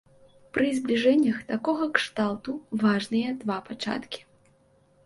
Пры збліжэннях такога кшталту важныя два пачаткі.